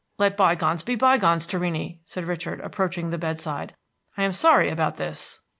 "Let by gones be by gones, Torrini," said Richard, approaching the bedside. "I am sorry about this."